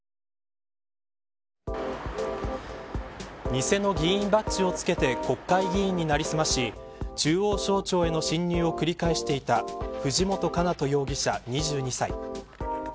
偽の議員バッジをつけて国会議員に成り済まし中央省庁への侵入を繰り返していた藤本叶人容疑者、２２歳。